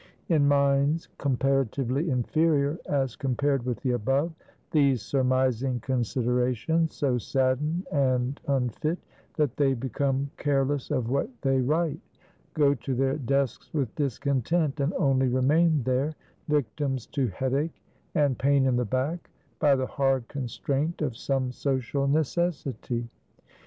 In minds comparatively inferior as compared with the above, these surmising considerations so sadden and unfit, that they become careless of what they write; go to their desks with discontent, and only remain there victims to headache, and pain in the back by the hard constraint of some social necessity.